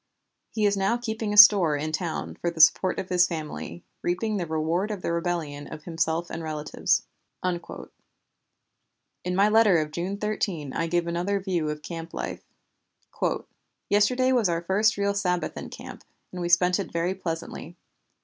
He is now keeping a store in town for the support of his family, reaping the reward of the rebellion of himself and relatives." In my letter of June 13 I give another view of camp life: "Yesterday was our first real Sabbath in camp, and we spent it very pleasantly.